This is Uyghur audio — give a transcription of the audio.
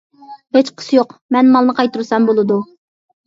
ھېچقىسى يوق، مەن مالنى قايتۇرسام بولىدۇ.